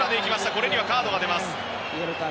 これにはカードが出ました。